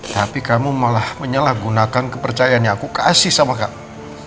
tapi kamu malah menyalahgunakan kepercayaan yang aku kasih sama kamu